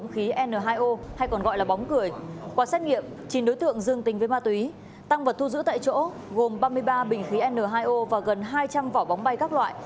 trong đó có nhiều đối tượng dương tính với ma túy tăng vật thu giữ tại chỗ gồm ba mươi ba bình khí n hai o và gần hai trăm linh vỏ bóng bay các loại